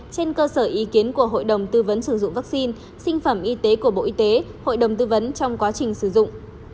trên cơ sở ý kiến của hội đồng tư vấn sử dụng vaccine sinh phẩm y tế của bộ y tế hội đồng tư vấn trong quá trình sử dụng